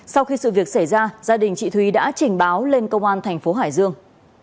sau khi sự việc xảy ra gia đình chị thúy đã trình báo lên công an tp hải dương